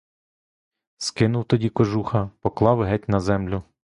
Скинув тоді кожуха, поклав геть на землю.